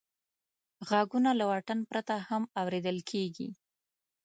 غږونه له واټن پرته هم اورېدل کېږي.